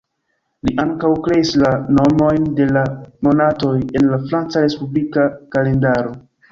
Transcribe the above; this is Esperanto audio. Li ankaŭ kreis la nomojn de la monatoj en la Franca respublika kalendaro.